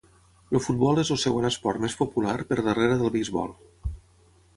El futbol és el segon esport més popular per darrere del beisbol.